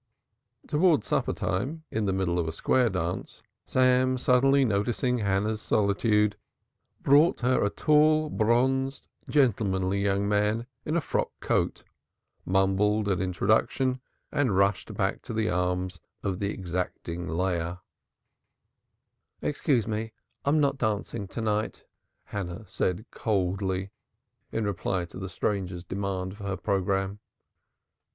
Towards supper time, in the middle of a square dance, Sam suddenly noticing Hannah's solitude, brought her a tall bronzed gentlemanly young man in a frock coat, mumbled an introduction and rushed back to the arms of the exacting Leah. "Excuse me, I am not dancing to night," Hannah said coldly in reply to the stranger's demand for her programme.